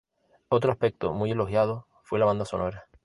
Otro aspecto muy elogiado fue la banda sonora.